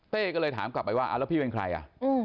ก็เลยถามกลับไปว่าแล้วพี่เป็นใครอ่ะ